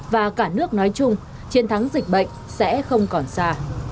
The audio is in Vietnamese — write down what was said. và cả nước nói chung chiến thắng dịch bệnh sẽ không còn xa